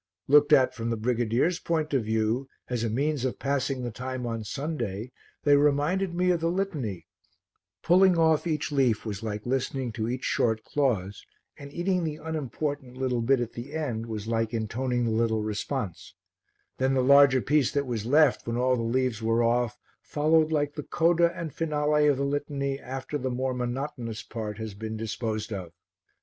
Looked at from the brigadier's point of view, as a means of passing the time on Sunday, they reminded me of the Litany; pulling off each leaf was like listening to each short clause and eating the unimportant little bit at the end was like intoning the little response; then the larger piece that was left, when all the leaves were off, followed like the coda and finale of the Litany after the more monotonous part has been disposed of.